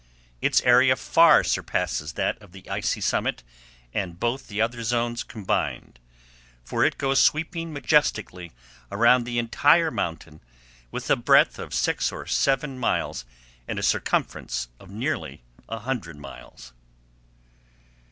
Its area far surpasses that of the icy summit and both the other zones combined, for it goes sweeping majestically around the entire mountain, with a breadth of six or seven miles and a circumference of nearly a hundred miles.